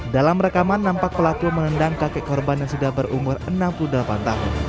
dalam rekaman nampak pelaku menendang kakek korban yang sudah berumur enam puluh delapan tahun